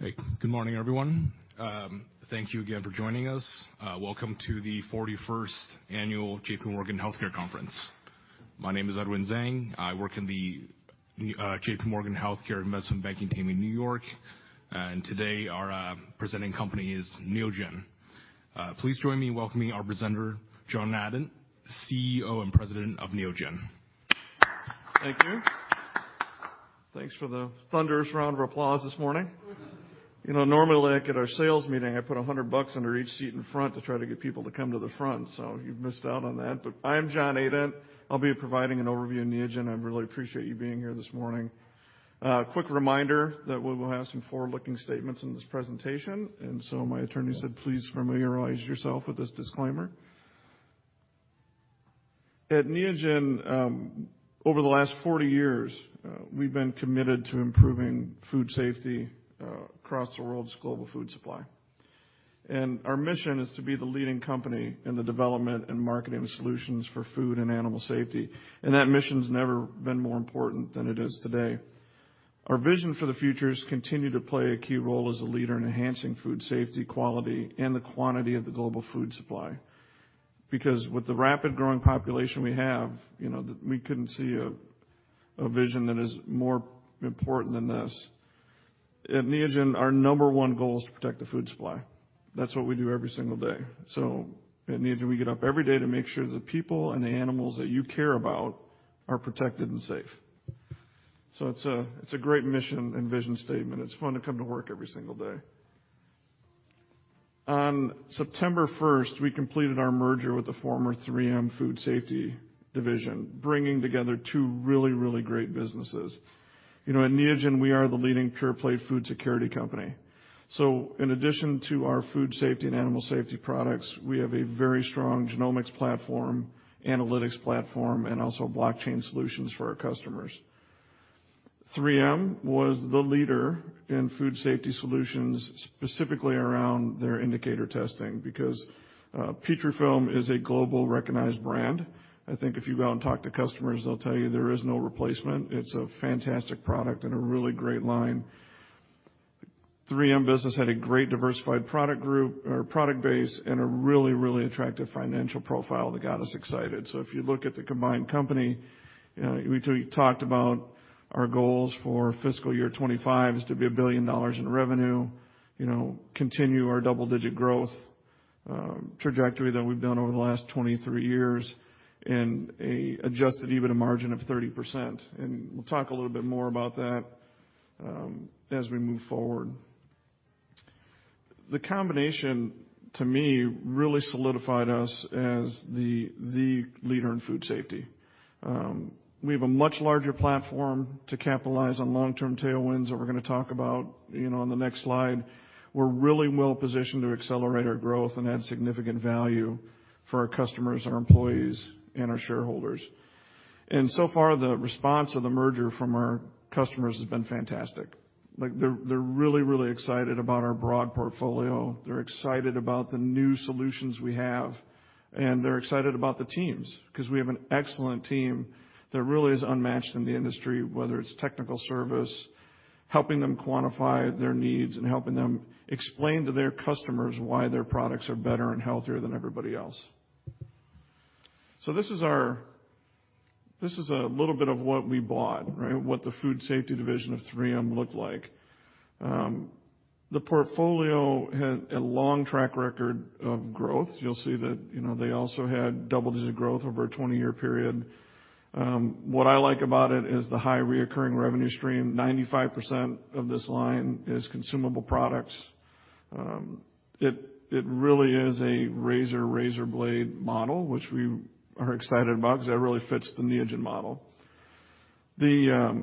Hey, good morning, everyone. Thank you again for joining us. Welcome to the 41st annual JPMorgan Healthcare Conference. My name is Edwin Zeng. I work in the JPMorgan Healthcare Investment Banking team in New York. Today, our presenting company is Neogen. Please join me in welcoming our presenter, John Adent, CEO and President of Neogen. Thank you. Thanks for the thunderous round of applause this morning. You know, normally, like, at our sales meeting, I put $100 under each seat in front to try to get people to come to the front, so you've missed out on that. I am John Adent. I'll be providing an overview of Neogen. I really appreciate you being here this morning. Quick reminder that we will have some forward-looking statements in this presentation. My attorney said, "Please familiarize yourself with this disclaimer." At Neogen, over the last 40 years, we've been committed to improving food safety, across the world's global food supply. Our mission is to be the leading company in the development and marketing solutions for food and animal safety, and that mission's never been more important than it is today. Our vision for the future is continue to play a key role as a leader in enhancing food safety, quality, and the quantity of the global food supply. With the rapid growing population we have, you know, we couldn't see a vision that is more important than this. At Neogen, our number one goal is to protect the food supply. That's what we do every single day. At Neogen, we get up every day to make sure the people and the animals that you care about are protected and safe. It's a great mission and vision statement. It's fun to come to work every single day. On September first, we completed our merger with the former 3M Food Safety Division, bringing together two really great businesses. You know, at Neogen, we are the leading pure-play food security company. In addition to our food safety and animal safety products, we have a very strong genomics platform, analytics platform, and also blockchain solutions for our customers. 3M was the leader in food safety solutions, specifically around their indicator testing, because Petrifilm is a global recognized brand. I think if you go out and talk to customers, they'll tell you there is no replacement. It's a fantastic product and a really great line. 3M business had a great diversified product group or product base and a really attractive financial profile that got us excited. If you look at the combined company, you know, we talked about our goals for fiscal year 25 is to be $1 billion in revenue. You know, continue our double-digit growth trajectory that we've done over the last 23 years and an adjusted EBITDA margin of 30%. We'll talk a little bit more about that as we move forward. The combination, to me, really solidified us as the leader in food safety. We have a much larger platform to capitalize on long-term tailwinds that we're gonna talk about, you know, on the next slide. We're really well positioned to accelerate our growth and add significant value for our customers, our employees, and our shareholders. So far, the response of the merger from our customers has been fantastic. Like, they're really, really excited about our broad portfolio. They're excited about the new solutions we have, and they're excited about the teams, 'cause we have an excellent team that really is unmatched in the industry, whether it's technical service, helping them quantify their needs and helping them explain to their customers why their products are better and healthier than everybody else. This is a little bit of what we bought, right? What the Food Safety Division of 3M looked like. The portfolio had a long track record of growth. You'll see that, you know, they also had double-digit growth over a 20-year period. What I like about it is the high recurring revenue stream. 95% of this line is consumable products. It really is a razor blade model, which we are excited about because that really fits the Neogen model. The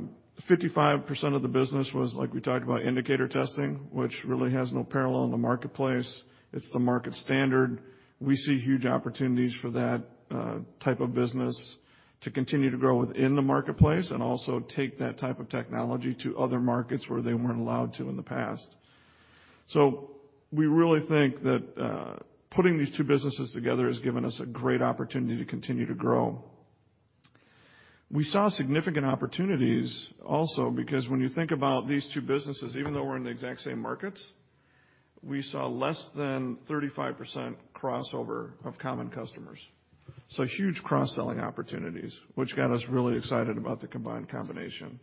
55% of the business was, like we talked about, indicator testing, which really has no parallel in the marketplace. It's the market standard. We see huge opportunities for that type of business to continue to grow within the marketplace and also take that type of technology to other markets where they weren't allowed to in the past. We really think that putting these two businesses together has given us a great opportunity to continue to grow. We saw significant opportunities also because when you think about these two businesses, even though we're in the exact same markets, we saw less than 35% crossover of common customers. Huge cross-selling opportunities, which got us really excited about the combined combination.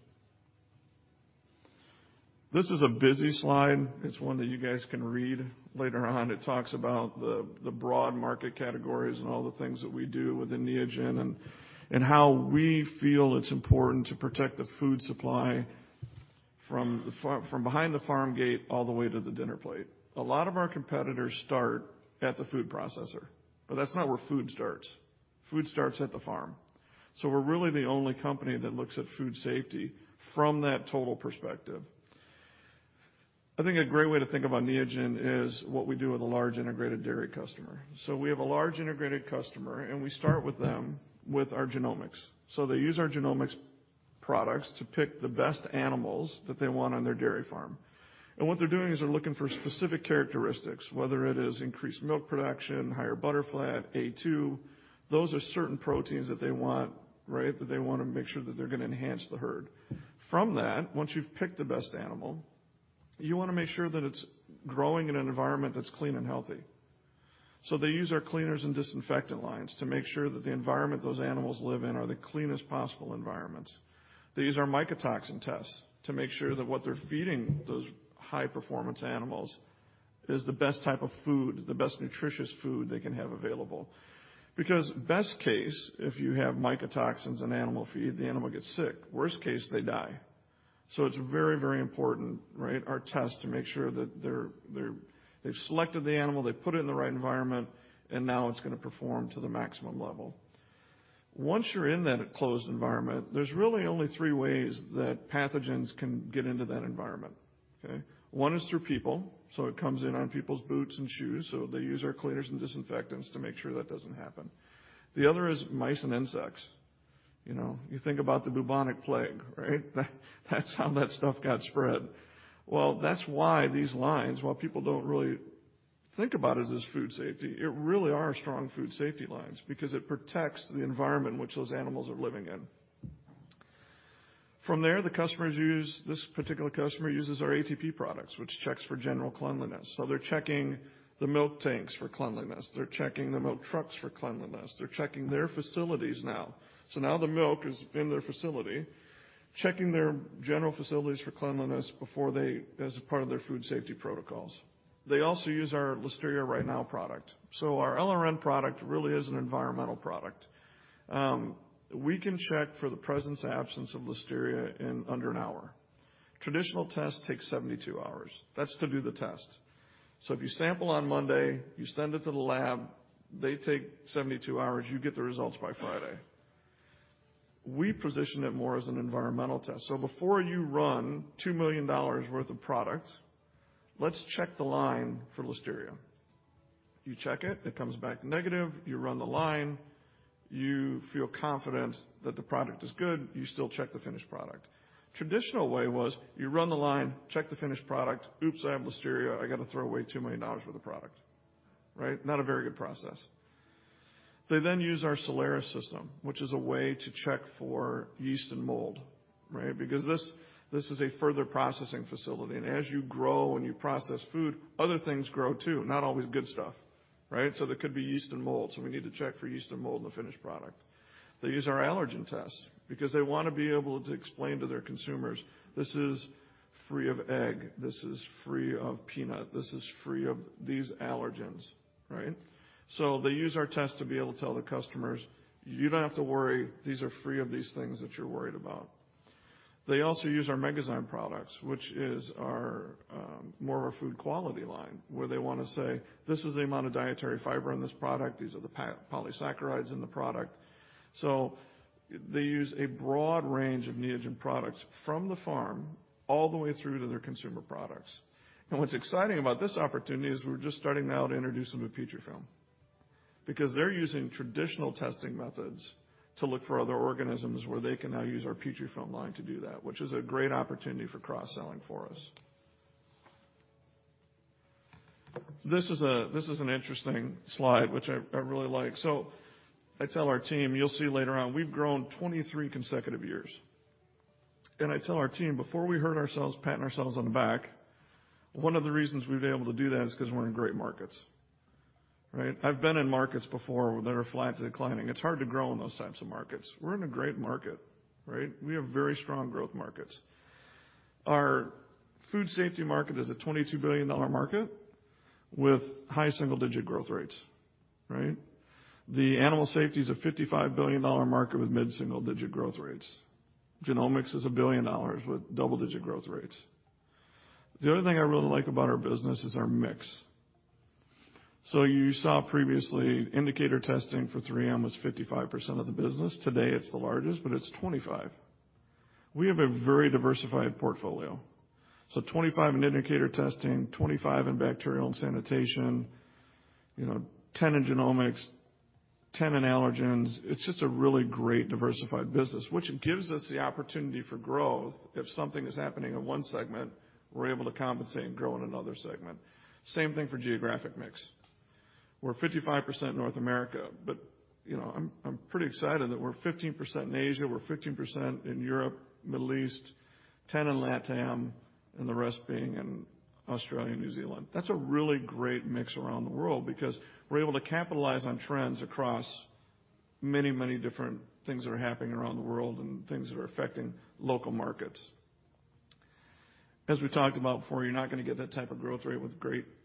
This is a busy slide. It's one that you guys can read later on. It talks about the broad market categories and all the things that we do within Neogen and how we feel it's important to protect the food supply from behind the farm gate all the way to the dinner plate. A lot of our competitors start at the food processor, but that's not where food starts. Food starts at the farm. We're really the only company that looks at food safety from that total perspective. I think a great way to think about Neogen is what we do with a large integrated dairy customer. We have a large integrated customer, and we start with them with our genomics. They use our genomics products to pick the best animals that they want on their dairy farm. And what they're doing is they're looking for specific characteristics, whether it is increased milk production, higher butterfat, A2. Those are certain proteins that they want, right? That they wanna make sure that they're gonna enhance the herd. From that, once you've picked the best animal, you wanna make sure that it's growing in an environment that's clean and healthy. They use our cleaners and disinfectant lines to make sure that the environment those animals live in are the cleanest possible environments. They use our mycotoxin tests to make sure that what they're feeding those high-performance animals is the best type of food, the best nutritious food they can have available. Best case, if you have mycotoxins in animal feed, the animal gets sick. Worst case, they die. It's very, very important, right, our test to make sure that they've selected the animal, they've put it in the right environment, and now it's gonna perform to the maximum level. Once you're in that closed environment, there's really only three ways that pathogens can get into that environment, okay? One is through people. It comes in on people's boots and shoes, so they use our cleaners and disinfectants to make sure that doesn't happen. The other is mice and insects. You know, you think about the bubonic plague, right? That's how that stuff got spread. That's why these lines, while people don't really think about it as food safety, it really are strong food safety lines because it protects the environment which those animals are living in. From there, this particular customer uses our ATP products, which checks for general cleanliness. They're checking the milk tanks for cleanliness. They're checking the milk trucks for cleanliness. They're checking their facilities now. Now the milk is in their facility, checking their general facilities for cleanliness as a part of their food safety protocols. They also use our Listeria Right Now product. Our LRN product really is an environmental product. We can check for the presence/absence of Listeria in under an hour. Traditional test takes 72 hours. That's to do the test. If you sample on Monday, you send it to the lab, they take 72 hours, you get the results by Friday. We position it more as an environmental test. Before you run $2 million worth of product, let's check the line for Listeria. You check it comes back negative, you run the line, you feel confident that the product is good, you still check the finished product. Traditional way was you run the line, check the finished product, oops, I have Listeria, I got to throw away $2 million worth of product, right? Not a very good process. They use our Soleris System, which is a way to check for yeast and mold, right? Because this is a further processing facility. As you grow and you process food, other things grow too. Not always good stuff, right? There could be yeast and mold, so we need to check for yeast and mold in the finished product. They use our allergen test because they wanna be able to explain to their consumers, "This is free of egg. This is free of peanut. This is free of these allergens," right? They use our test to be able to tell their customers, "You don't have to worry. These are free of these things that you're worried about." They also use our Megazyme products, which is our more of a food quality line, where they wanna say, "This is the amount of dietary fiber in this product. These are the polysaccharides in the product." They use a broad range of Neogen products from the farm all the way through to their consumer products. What's exciting about this opportunity is we're just starting now to introduce them to Petrifilm. Because they're using traditional testing methods to look for other organisms where they can now use our Petrifilm line to do that, which is a great opportunity for cross-selling for us. This is a, this is an interesting slide, which I really like. I tell our team, you'll see later on, we've grown 23 consecutive years. I tell our team, before we hurt ourselves, patting ourselves on the back, one of the reasons we've been able to do that is 'cause we're in great markets, right? I've been in markets before that are flat to declining. It's hard to grow in those types of markets. We're in a great market, right? We have very strong growth markets. Our food safety market is a $22 billion market with high single-digit growth rates, right? The animal safety is a $55 billion market with mid-single digit growth rates. Genomics is a $1 billion with double-digit growth rates. The other thing I really like about our business is our mix. You saw previously indicator testing for 3M was 55% of the business. Today, it's the largest, but it's 25%. We have a very diversified portfolio. 25% in indicator testing, 25% in bacterial and sanitation, you know, 10% in genomics, 10% in allergens. It's just a really great diversified business, which gives us the opportunity for growth. If something is happening in one segment, we're able to compensate and grow in another segment. Same thing for geographic mix. We're 55% North America, you know, I'm pretty excited that we're 15% in Asia, we're 15% in Europe, Middle East, 10 in LATAM, and the rest being in Australia and New Zealand. That's a really great mix around the world because we're able to capitalize on trends across many, many different things that are happening around the world and things that are affecting local markets. We talked about before, you're not gonna get that type of growth rate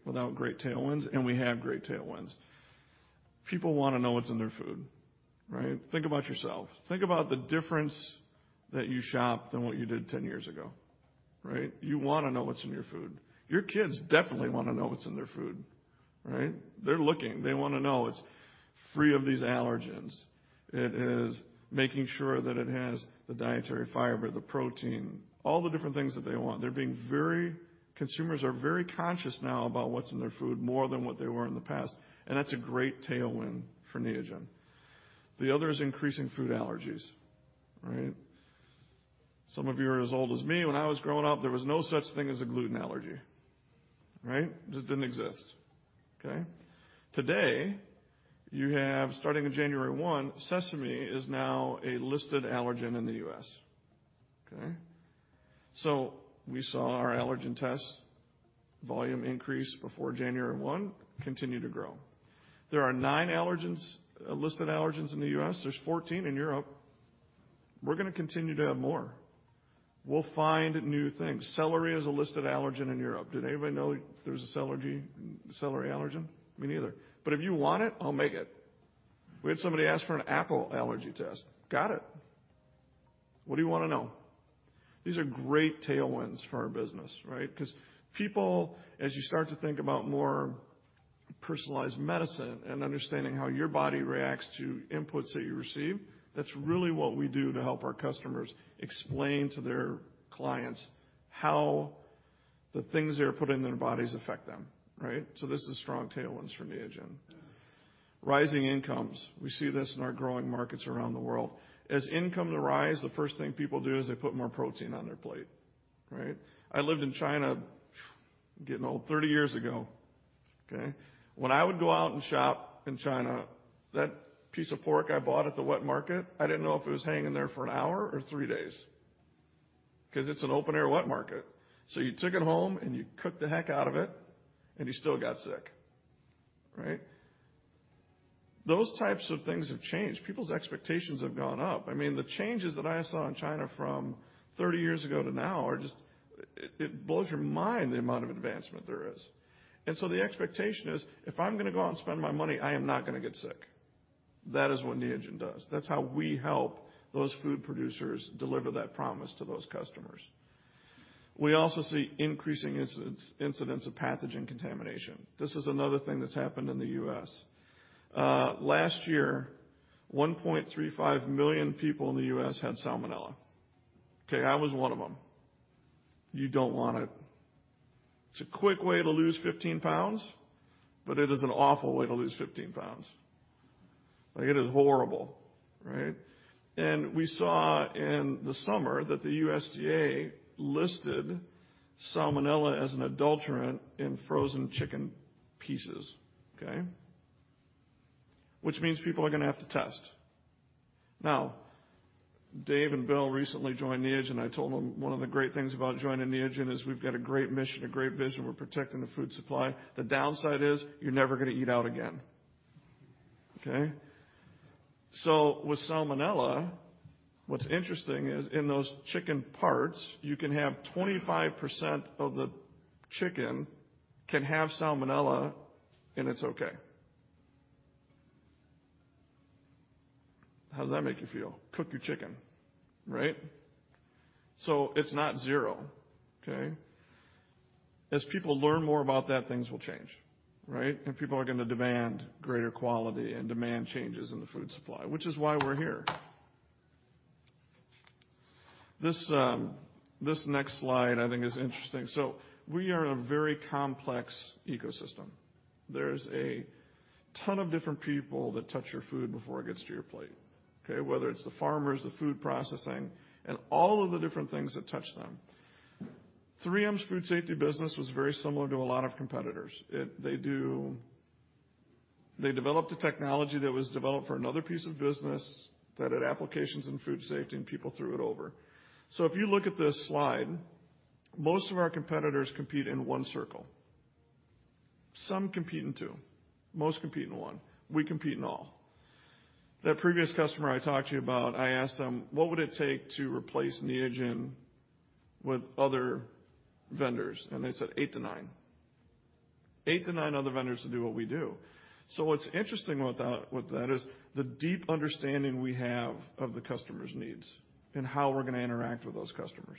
without great tailwinds. We have great tailwinds. People wanna know what's in their food, right? Think about yourself. Think about the difference that you shop than what you did 10 years ago, right? You wanna know what's in your food. Your kids definitely wanna know what's in their food, right? They're looking. They wanna know it's free of these allergens. It is making sure that it has the dietary fiber, the protein, all the different things that they want. Consumers are very conscious now about what's in their food more than what they were in the past. That's a great tailwind for Neogen. The other is increasing food allergies. Right? Some of you are as old as me. When I was growing up, there was no such thing as a gluten allergy. Right? Just didn't exist. Okay? Today, you have, starting in January 1, sesame is now a listed allergen in the U.S. Okay? We saw our allergen tests volume increase before January 1, continue to grow. There are nine allergens, listed allergens in the U.S. There's 14 in Europe. We're gonna continue to have more. We'll find new things. Celery is a listed allergen in Europe. Did anybody know there's a celery allergen? Me neither. If you want it, I'll make it. We had somebody ask for an apple allergy test. Got it. What do you wanna know? These are great tailwinds for our business, right? 'Cause people, as you start to think about more personalized medicine and understanding how your body reacts to inputs that you receive, that's really what we do to help our customers explain to their clients how the things they're putting in their bodies affect them. Right? This is strong tailwinds for Neogen. Rising incomes. We see this in our growing markets around the world. As income rise, the first thing people do is they put more protein on their plate. Right? I lived in China, getting old, 30 years ago. Okay? When I would go out and shop in China, that piece of pork I bought at the wet market, I didn't know if it was hanging there for an hour or three days 'cause it's an open air wet market. You took it home, and you cooked the heck out of it, and you still got sick. Right? Those types of things have changed. People's expectations have gone up. I mean, the changes that I saw in China from 30 years ago to now are just. It blows your mind the amount of advancement there is. The expectation is, if I'm gonna go out and spend my money, I am not gonna get sick. That is what Neogen does. That's how we help those food producers deliver that promise to those customers. We also see increasing incidence of pathogen contamination. This is another thing that's happened in the U.S. Last year, 1.35 million people in the U.S. had Salmonella. Okay. I was one of them. You don't want it. It's a quick way to lose 15 pounds, but it is an awful way to lose 15 pounds. Like, it is horrible, right? We saw in the summer that the USDA listed Salmonella as an adulterant in frozen chicken pieces, okay? Which means people are gonna have to test. Now, Dave and Bill recently joined Neogen. I told them one of the great things about joining Neogen is we've got a great mission, a great vision. We're protecting the food supply. The downside is you're never gonna eat out again. Okay? With Salmonella, what's interesting is in those chicken parts, you can have 25% of the chicken can have Salmonella, and it's okay. How does that make you feel? Cook your chicken, right? It's not zero, okay? As people learn more about that, things will change, right? People are gonna demand greater quality and demand changes in the food supply, which is why we're here. This, this next slide I think is interesting. We are in a very complex ecosystem. There's a ton of different people that touch your food before it gets to your plate, okay, whether it's the farmers, the food processing, and all of the different things that touch them. 3M's Food Safety business was very similar to a lot of competitors. They developed a technology that was developed for another piece of business that had applications in food safety, and people threw it over. If you look at this slide, most of our competitors compete in one circle. Some compete in two. Most compete in one. We compete in all. That previous customer I talked to you about, I asked them, "What would it take to replace Neogen with other vendors?" They said, "eight to nine." eight to nine other vendors to do what we do. What's interesting with that is the deep understanding we have of the customer's needs and how we're gonna interact with those customers.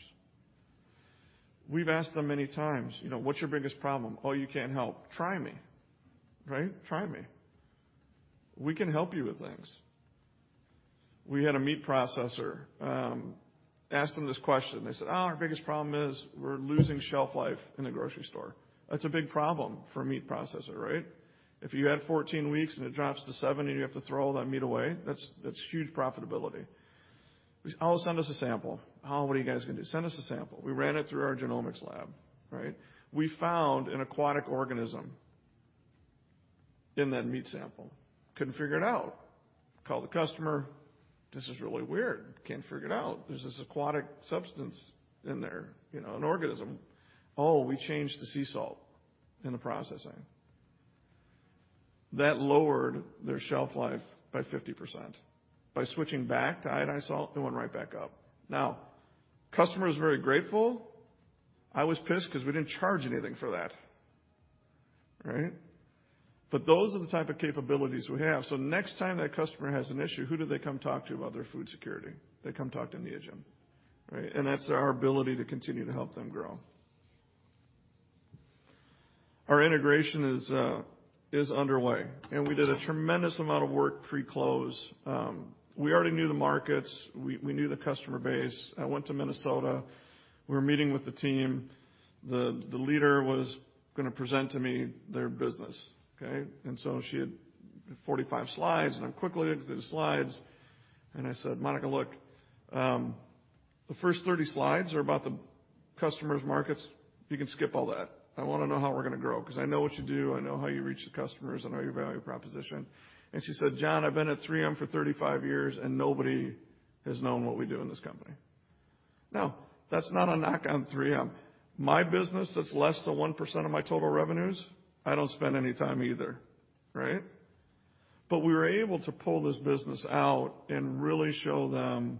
We've asked them many times, you know, "What's your biggest problem?" "Oh, you can't help." "Try me." Right? Try me. We can help you with things. We had a meat processor, asked them this question. They said, "Oh, our biggest problem is we're losing shelf life in the grocery store." That's a big problem for a meat processor, right? If you had 14 weeks, and it drops to seven, and you have to throw all that meat away, that's huge profitability. We said, "Oh, send us a sample." "Oh, what are you guys gonna do?" "Send us a sample." We ran it through our genomics lab, right? We found an aquatic organism in that meat sample. Couldn't figure it out. Called the customer. "This is really weird. Can't figure it out. There's this aquatic substance in there, you know, an organism." "Oh, we changed to sea salt in the processing." That lowered their shelf life by 50%. By switching back to iodized salt, it went right back up. Now customer is very grateful. I was pissed 'cause we didn't charge anything for that, right? Those are the type of capabilities we have. Next time that customer has an issue, who do they come talk to about their food security? They come talk to Neogen, right? That's our ability to continue to help them grow. Our integration is underway, and we did a tremendous amount of work pre-close. We already knew the markets. We knew the customer base. I went to Minnesota. We were meeting with the team. The leader was going to present to me their business, okay? She had 45 slides, and I'm quickly looking through the slides and I said, "Monica, look, the first 30 slides are about the customer's markets. You can skip all that. I wanna know how we're gonna grow, 'cause I know what you do, I know how you reach the customers, I know your value proposition." She said, "John, I've been at 3M for 35 years, and nobody has known what we do in this company." Now, that's not a knock on 3M. My business, that's less than 1% of my total revenues, I don't spend any time either, right? We were able to pull this business out and really show them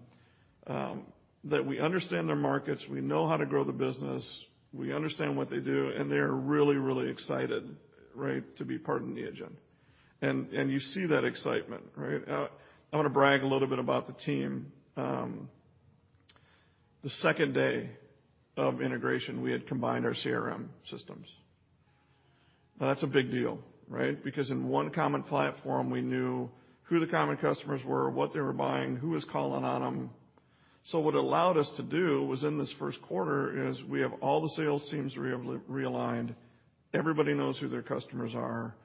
that we understand their markets, we know how to grow the business, we understand what they do, and they are really, really excited, right, to be part of Neogen. You see that excitement, right? I'm gonna brag a little bit about the team. The second day of integration, we had combined our CRM systems. Now that's a big deal, right? In one common platform, we knew who the common customers were, what they were buying, who was calling on them. What allowed us to do was in this first quarter is we have all the sales teams realigned. Everybody knows who their customers are.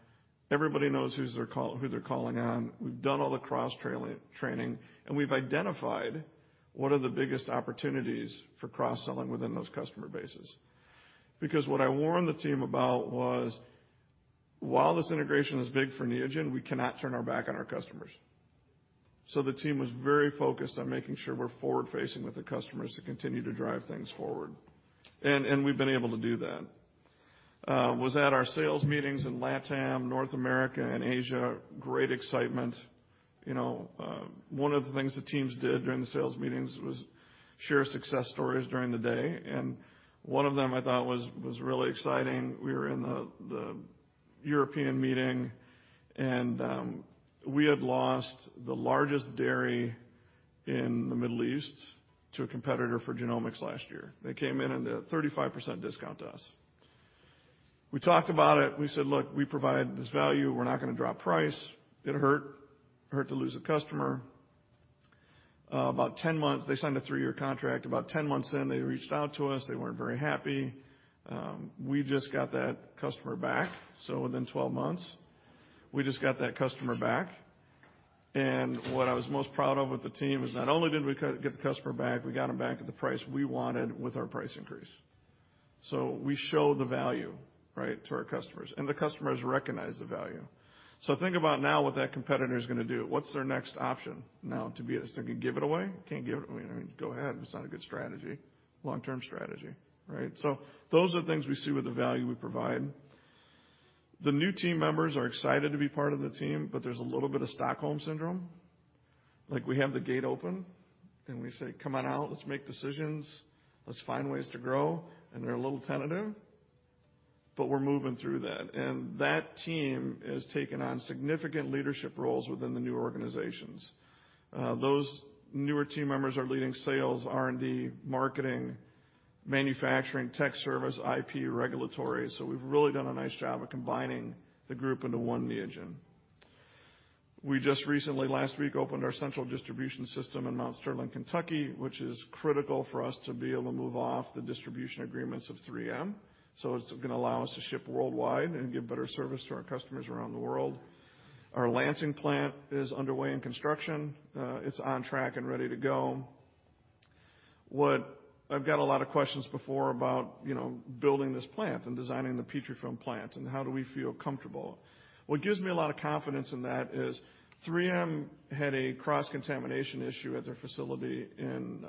Everybody knows who's their calling on. We've done all the cross-training, and we've identified what are the biggest opportunities for cross-selling within those customer bases. What I warned the team about was, while this integration is big for Neogen, we cannot turn our back on our customers. The team was very focused on making sure we're forward-facing with the customers to continue to drive things forward. We've been able to do that. Was at our sales meetings in LATAM, North America and Asia, great excitement. You know, one of the things the teams did during the sales meetings was share success stories during the day. One of them I thought was really exciting. We were in the European meeting. We had lost the largest dairy in the Middle East to a competitor for genomics last year. They came in and did a 35% discount to us. We talked about it. We said, "Look, we provide this value. We're not gonna drop price." It hurt. It hurt to lose a customer. About 10 months, they signed a three-year contract. About 10 months in, they reached out to us. They weren't very happy. We just got that customer back. Within 12 months, we just got that customer back. What I was most proud of with the team is not only did we get the customer back, we got them back at the price we wanted with our price increase. We show the value, right, to our customers, and the customers recognize the value. Think about now what that competitor is gonna do. What's their next option now to be? So they can give it away? Can't give it? I mean, go ahead. It's not a good strategy, long-term strategy, right? Those are things we see with the value we provide. The new team members are excited to be part of the team, but there's a little bit of Stockholm Syndrome. Like, we have the gate open, and we say, "Come on out. Let's make decisions. Let's find ways to grow." They're a little tentative, but we're moving through that. That team has taken on significant leadership roles within the new organizations. Those newer team members are leading sales, R&D, marketing, manufacturing, tech service, IP, regulatory. We've really done a nice job of combining the group into one Neogen. We just recently, last week, opened our central distribution system in Mount Sterling, Kentucky, which is critical for us to be able to move off the distribution agreements of 3M. It's gonna allow us to ship worldwide and give better service to our customers around the world. Our Lansing plant is underway in construction. It's on track and ready to go. I've got a lot of questions before about, you know, building this plant and designing the Petrifilm plant and how do we feel comfortable. What gives me a lot of confidence in that is 3M had a cross-contamination issue at their facility in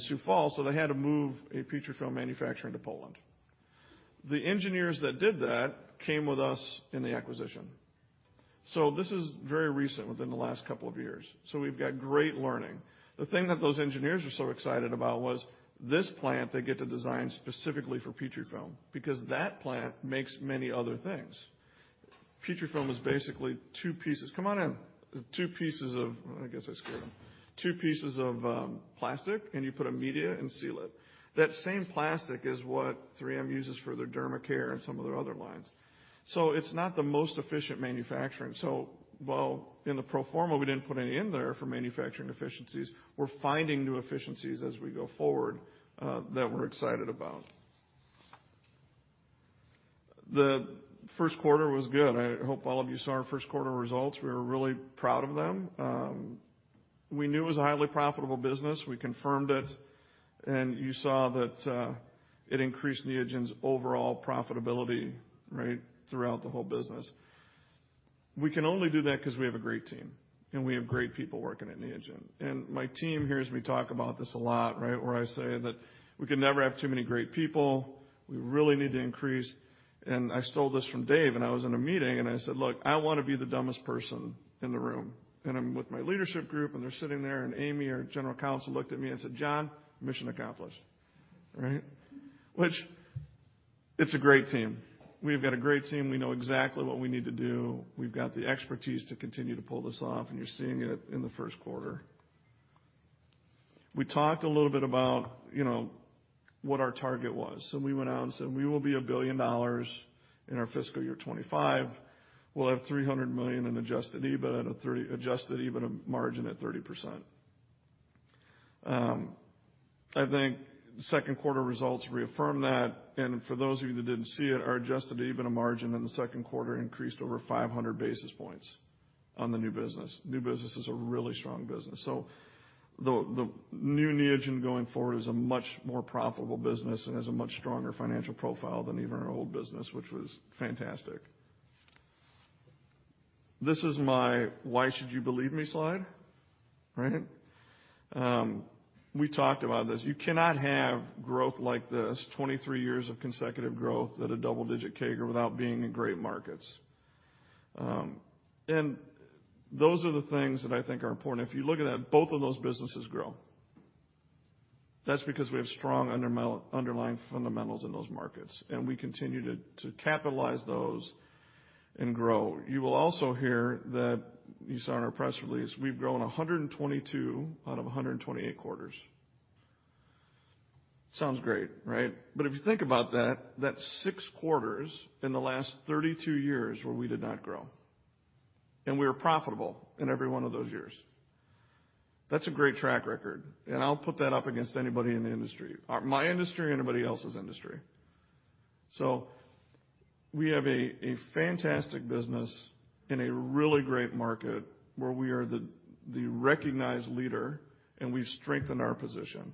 Sioux Falls, they had to move a Petrifilm manufacturer into Poland. The engineers that did that came with us in the acquisition. This is very recent, within the last two years, we've got great learning. The thing that those engineers were so excited about was this plant they get to design specifically for Petrifilm because that plant makes many other things. Petrifilm is basically two pieces. Come on in. I guess that's good. Two pieces of plastic, you put a media and seal it. That same plastic is what 3M uses for their Dermal Care and some of their other lines. It's not the most efficient manufacturing. While in the pro forma, we didn't put any in there for manufacturing efficiencies, we're finding new efficiencies as we go forward, that we're excited about. The first quarter was good. I hope all of you saw our first quarter results. We were really proud of them. We knew it was a highly profitable business. We confirmed it, and you saw that, it increased Neogen's overall profitability, right, throughout the whole business. We can only do that 'cause we have a great team, and we have great people working at Neogen. My team hears me talk about this a lot, right, where I say that we can never have too many great people. We really need to increase. I stole this from Dave, and I was in a meeting, and I said, "Look, I wanna be the dumbest person in the room." I'm with my leadership group, and they're sitting there, and Amy, our general counsel, looked at me and said, "John, mission accomplished." Right? It's a great team. We've got a great team. We know exactly what we need to do. We've got the expertise to continue to pull this off, and you're seeing it in the first quarter. We talked a little bit about, you know, what our target was, and we went out and said, "We will be $1 billion in our fiscal year 2025, we'll have $300 million in adjusted EBITDA and adjusted EBITDA margin at 30%. I think second quarter results reaffirm that. For those of you that didn't see it, our adjusted EBITDA margin in the second quarter increased over 500 basis points on the new business. New business is a really strong business. The new Neogen going forward is a much more profitable business and has a much stronger financial profile than even our old business, which was fantastic. This is my why should you believe me slide, right? We talked about this. You cannot have growth like this, 23 years of consecutive growth at a double-digit CAGR without being in great markets. Those are the things that I think are important. If you look at that, both of those businesses grow. That's because we have strong underlying fundamentals in those markets, and we continue to capitalize those and grow. You will also hear that, you saw in our press release, we've grown 122 out of 128 quarters. Sounds great, right? If you think about that's six quarters in the last 32 years where we did not grow, and we were profitable in every one of those years. That's a great track record, and I'll put that up against anybody in the industry. My industry or anybody else's industry. We have a fantastic business in a really great market where we are the recognized leader, and we've strengthened our position.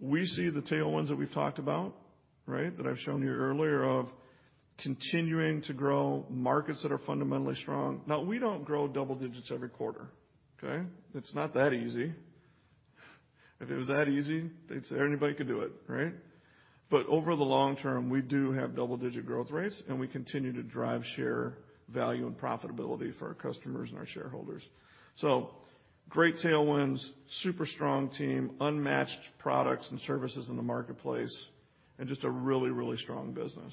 We see the tailwinds that we've talked about, right? That I've shown you earlier of continuing to grow markets that are fundamentally strong. Now we don't grow double digits every quarter, okay? It's not that easy. If it was that easy, anybody could do it, right? Over the long term, we do have double-digit growth rates, and we continue to drive share value and profitability for our customers and our shareholders. Great tailwinds, super strong team, unmatched products and services in the marketplace, and just a really, really strong business.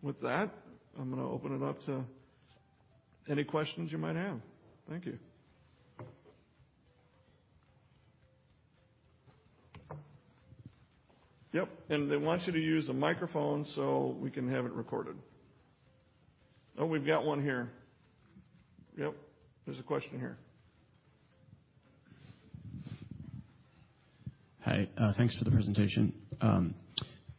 With that, I'm gonna open it up to any questions you might have. Thank you. Yep, and they want you to use the microphone so we can have it recorded. Oh, we've got one here. Yep, there's a question here. Hi, thanks for the presentation.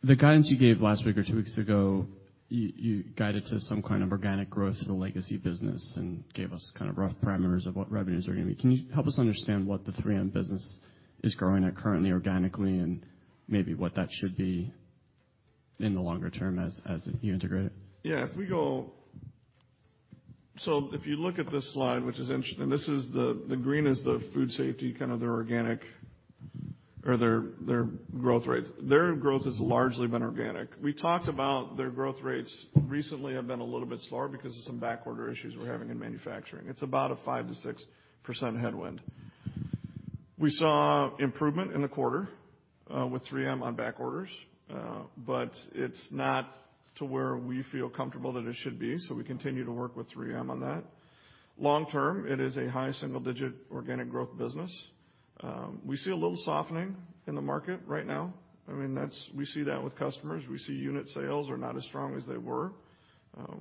The guidance you gave last week or two weeks ago, you guided to some kind of organic growth to the legacy business and gave us kind of rough parameters of what revenues are gonna be. Can you help us understand what the 3M business is growing at currently organically and maybe what that should be in the longer term as you integrate it? If you look at this slide, which is interesting, this is the green is the food safety, kind of their growth rates. Their growth has largely been organic. We talked about their growth rates recently have been a little bit slower because of some backorder issues we're having in manufacturing. It's about a 5%-6% headwind. We saw improvement in the quarter with 3M on backorders, but it's not to where we feel comfortable that it should be, so we continue to work with 3M on that. Long term, it is a high single-digit organic growth business. We see a little softening in the market right now. I mean, we see that with customers. We see unit sales are not as strong as they were.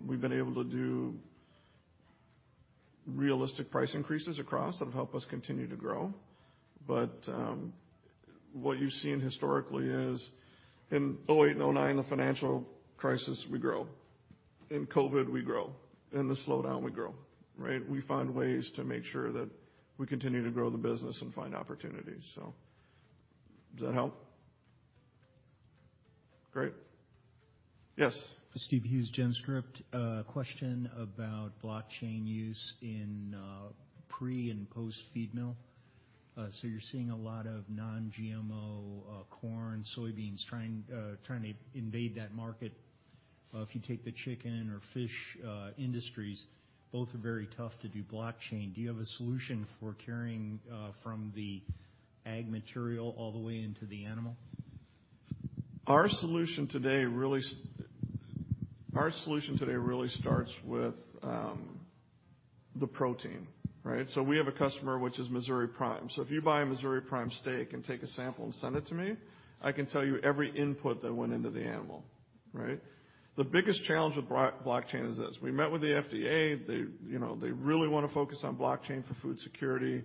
We've been able to do realistic price increases across that have helped us continue to grow. What you've seen historically is in 2008 and 2009, the Financial Crisis, we grow. In COVID, we grow. In the slowdown, we grow, right? We find ways to make sure that we continue to grow the business and find opportunities. Does that help? Great. Yes. A question about blockchain use in pre- and post-feed mill. You're seeing a lot of Non-GMO corn, soybeans trying to invade that market. If you take the chicken or fish industries, both are very tough to do blockchain. Do you have a solution for carrying from the ag material all the way into the animal? Our solution today really starts with the protein, right? We have a customer which is Missouri Prime. If you buy a Missouri Prime steak and take a sample and send it to me, I can tell you every input that went into the animal, right? The biggest challenge with blockchain is this. We met with the FDA. They, you know, they really want to focus on blockchain for food security.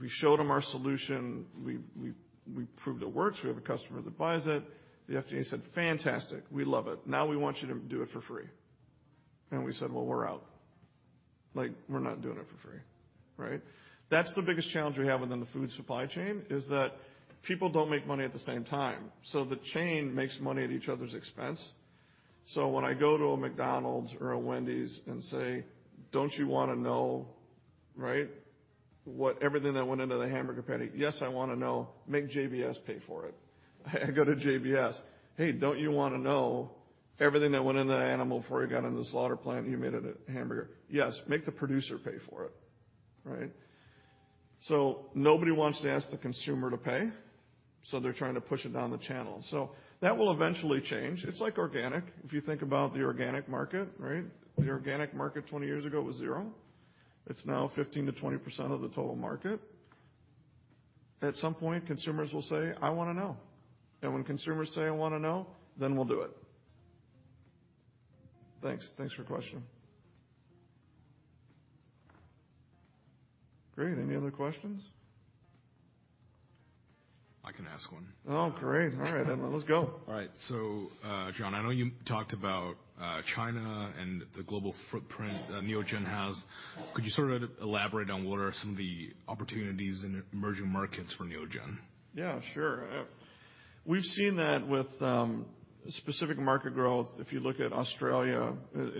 We showed them our solution. We proved it works. We have a customer that buys it. The FDA said, "Fantastic. We love it. Now we want you to do it for free." We said, "Well, we're out." Like, we're not doing it for free, right? That's the biggest challenge we have within the food supply chain, is that people don't make money at the same time. The chain makes money at each other's expense. When I go to a McDonald's or a Wendy's and say, "Don't you wanna know, right? What everything that went into the hamburger patty?" "Yes, I wanna know. Make JBS pay for it." I go to JBS, "Hey, don't you wanna know everything that went into that animal before it got in the slaughter plant and you made it a hamburger?" "Yes, make the producer pay for it." Right? Nobody wants to ask the consumer to pay, so they're trying to push it down the channel. That will eventually change. It's like organic. If you think about the organic market, right? The organic market 20 years ago was zero. It's now 15%-20% of the total market. At some point, consumers will say, "I wanna know." When consumers say, "I wanna know," then we'll do it. Thanks. Thanks for your question. Great. Any other questions? I can ask one. Oh, great. All right. Let's go. All right. John, I know you talked about, China and the global footprint that Neogen has. Could you sort of elaborate on what are some of the opportunities in emerging markets for Neogen? Yeah, sure. We've seen that with specific market growth. If you look at Australia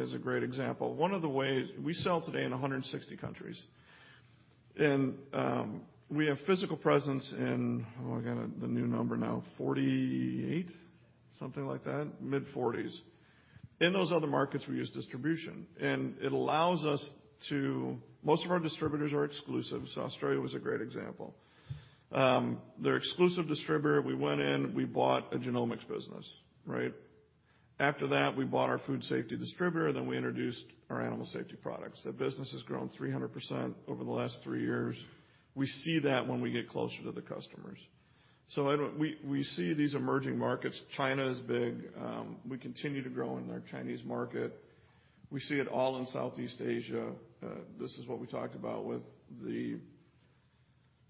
as a great example. One of the ways we sell today in 160 countries. We have physical presence in. Oh, I got the new number now. 48, something like that, mid-forties. In those other markets, we use distribution, and it allows us to. Most of our distributors are exclusive, Australia was a great example. Their exclusive distributor, we went in, we bought a genomics business, right? After that, we bought our food safety distributor, and then we introduced our animal safety products. That business has grown 300% over the last three years. We see that when we get closer to the customers. I don't. We see these emerging markets. China is big. We continue to grow in our Chinese market. We see it all in Southeast Asia. This is what we talked about with the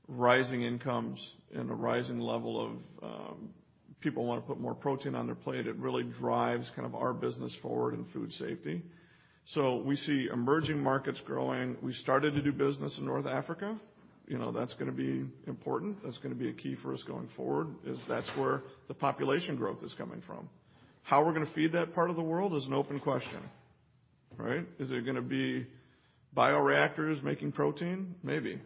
rising incomes and the rising level of people wanna put more protein on their plate. It really drives kind of our business forward in food safety. We see emerging markets growing. We started to do business in North Africa. You know, that's gonna be important. That's gonna be a key for us going forward, is that's where the population growth is coming from. How we're gonna feed that part of the world is an open question, right? Is it gonna be bioreactors making protein? Maybe.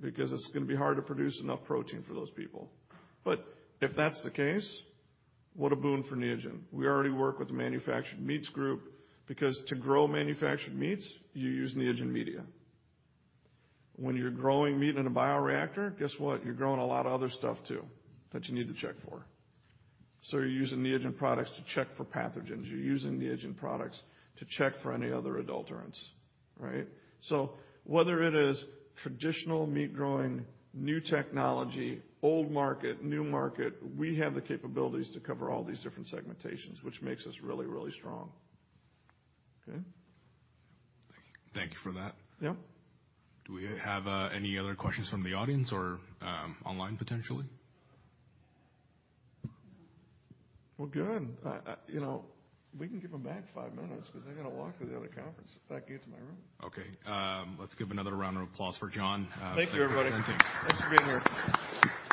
Because it's gonna be hard to produce enough protein for those people. If that's the case, what a boon for Neogen. We already work with the manufactured meats group because to grow manufactured meats, you use Neogen media. When you're growing meat in a bioreactor, guess what? You're growing a lot of other stuff too that you need to check for. You're using Neogen products to check for pathogens. You're using Neogen products to check for any other adulterants, right? Whether it is traditional meat growing, new technology, old market, new market, we have the capabilities to cover all these different segmentations, which makes us really, really strong. Okay? Thank you for that. Yeah. Do we have any other questions from the audience or online, potentially? Well, good. You know, we can give them back five minutes 'cause they got to walk to the other conference. Back you to my room. Let's give another round of applause for John for presenting. Thank you, everybody. Thanks for being here.